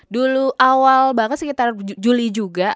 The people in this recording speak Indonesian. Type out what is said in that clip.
dulu awal banget sekitar juli juga